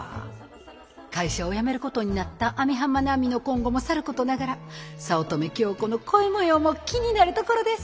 会社を辞めることになった網浜奈美の今後もさることながら早乙女京子の恋模様も気になるところです。